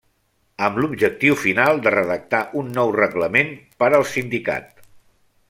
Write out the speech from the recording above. Amb l'objectiu final de redactar un nou reglament per al Sindicat.